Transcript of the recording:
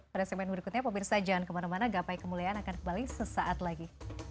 pada segmen berikutnya pemirsa jangan kemana mana gapai kemuliaan akan kembali sesaat lagi